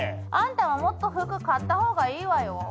あんたはもっと服買った方がいいわよ。